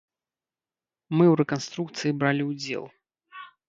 Мы ў рэканструкцыі бралі ўдзел.